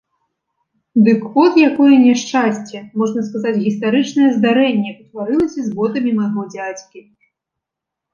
Дык от якое няшчасце, можна сказаць, гістарычнае здарэнне ўтварылася з ботамі майго дзядзькі.